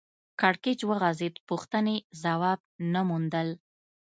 کړکېچ وغځېد پوښتنې ځواب نه موندل